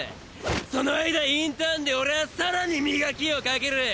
その間インターンで俺ァ更に磨きをかける。